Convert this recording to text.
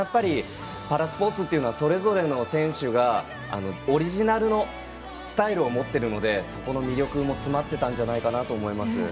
パラスポーツっていうのはそれぞれの選手がオリジナルのスタイルを持っているのでそこの魅力も詰まっていたんじゃないかなと思います。